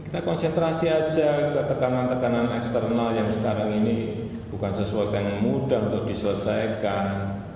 kita konsentrasi aja ke tekanan tekanan eksternal yang sekarang ini bukan sesuatu yang mudah untuk diselesaikan